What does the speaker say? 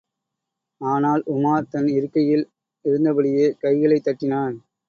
ஆனால் உமார் தன் இருக்கையில் இருந்தபடியே கைகளைத் தட்டினான்.